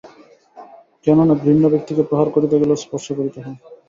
কেন না ঘৃণ্য ব্যক্তিকে প্রহার করিতে গেলেও স্পর্শ করিতে হয়।